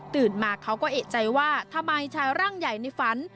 มาเขาก็เอกใจว่าทำไมชายร่างใหญ่ในฝัน